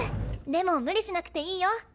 でも無理しなくていいよ。